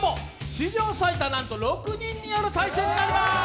史上最多なんと６人による対戦になります。